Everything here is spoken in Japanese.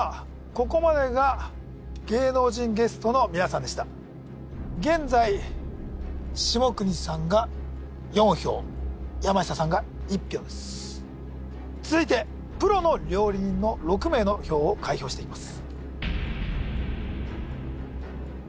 ここまでが芸能人ゲストの皆さんでした現在下國さんが４票山下さんが１票です続いてプロの料理人の６名の票を開票していきます